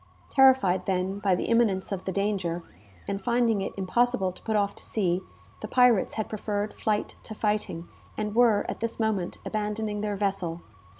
Terrified, then, by the imminence of the danger, and finding it impossible to put off to sea, the pirates had preferred flight to fighting, and were, at this moment, abandoning their vessel.